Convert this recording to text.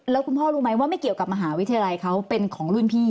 แล้วคุณพ่อรู้ไหมว่าไม่เกี่ยวกับมหาวิทยาลัยเขาเป็นของรุ่นพี่